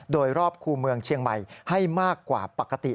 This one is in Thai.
โดยรอบคู่เมืองเชียงใหม่ให้มากกว่าปกติ